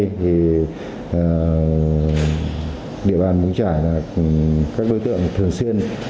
thì địa bàn ngũ trải là các đối tượng thường xuyên